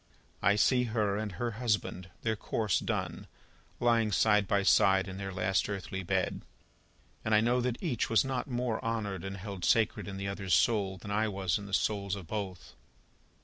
I see her and her husband, their course done, lying side by side in their last earthly bed, and I know that each was not more honoured and held sacred in the other's soul, than I was in the souls of both.